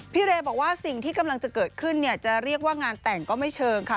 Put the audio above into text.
เรย์บอกว่าสิ่งที่กำลังจะเกิดขึ้นเนี่ยจะเรียกว่างานแต่งก็ไม่เชิงค่ะ